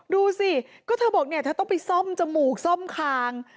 ดูสิก็เธอบอกเนี่ยเธอต้องไปซ่อมจมูกซ่อมคาง